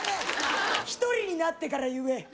１人になってから言え。